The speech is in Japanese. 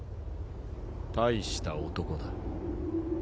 大した男だ。